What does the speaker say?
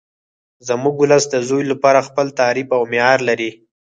زموږ ولس د زوی لپاره خپل تعریف او معیار لري